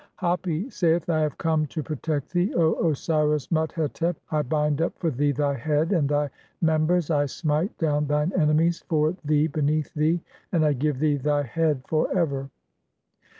XI. (1) Hapi saith :— "I have come to protect thee, O (2) "Osiris Mut hetep ; I bind up for thee thy head and thy mem "bers, I smite down thine enemies (3) for thee beneath thee, "and I give thee thy head for ever."